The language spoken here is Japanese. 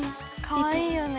かわいいよね。